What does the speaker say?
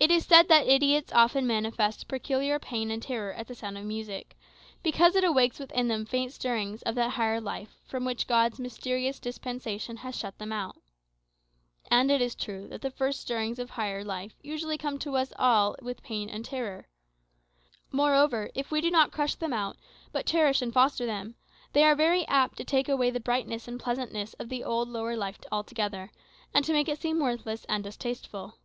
It is said that idiots often manifest peculiar pain and terror at the sound of music, because it awakens within them faint stirrings of that higher life from which God's mysterious dispensation has shut them out. And it is true that the first stirrings of higher life usually come to all of us with pain and terror. Moreover, if we do not crush them out, but cherish and foster them, they are very apt to take away the brightness and pleasantness of the old lower life altogether, and to make it seem worthless and distasteful.